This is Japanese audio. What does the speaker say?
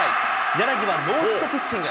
柳はノーヒットピッチング。